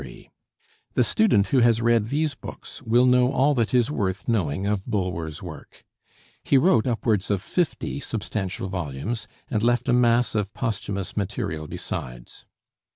The student who has read these books will know all that is worth knowing of Bulwer's work. He wrote upwards of fifty substantial volumes, and left a mass of posthumous material besides.